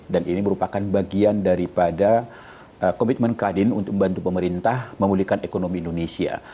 dan ini merupakan bagian daripada komitmen kadin untuk membantu pemerintah memulihkan ekonomi indonesia